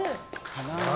○かな。